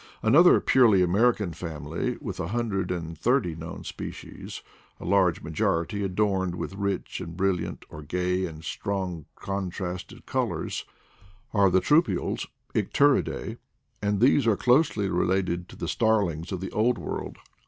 Another purely American family, with a hundred and thirty known species, a large majority adorned with rich or brilliant or gay and strongly con trasted colors, are the troupials — Icteridae; and these are closely related to the starlings of the Old World.